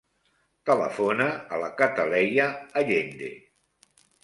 Telefona a la Cataleya Allende.